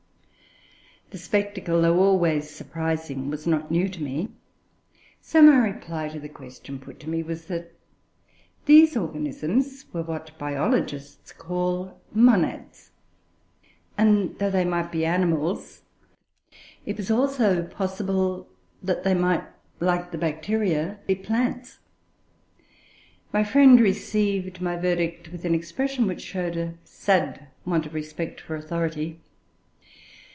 The spectacle, though always surprising, was not new to me. So my reply to the question put to me was, that these organisms were what biologists call Monads, and though they might be animals, it was also possible that they might, like the Bacteria, be plants. My friend received my verdict with an expression which showed a sad want of respect for authority.